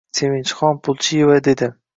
Sevinchixon Pulchieva dedi